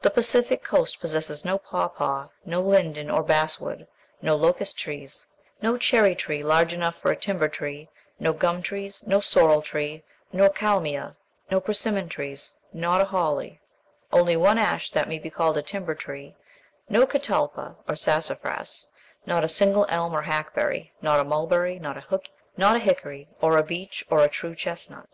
The Pacific coast possesses no papaw, no linden or basswood, no locust trees, no cherry tree large enough for a timber tree, no gum trees, no sorrel tree, nor kalmia; no persimmon trees, not a holly, only one ash that may be called a timber tree, no catalpa or sassafras, not a single elm or hackberry, not a mulberry, not a hickory, or a beech, or a true chestnut.